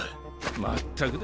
まったくだ。